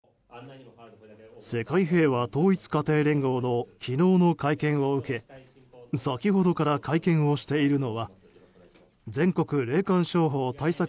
世界平和統一家庭連合の昨日の会見を受け先ほどから会見をしているのは全国霊感商法対策